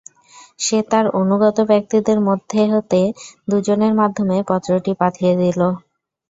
সে তার অনুগত ব্যক্তিদের মধ্য হতে দুজনের মাধ্যমে পত্রটি পাঠিয়ে দিল।